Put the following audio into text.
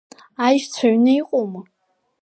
Аешьцәа аҩны иҟоума?